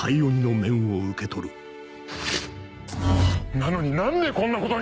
なのに何でこんなことに！